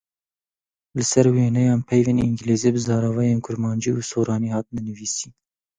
Li ser wêneyan peyvên îngîlîzî bi zaravayên kurmancî û soranî hatine nivîsîn.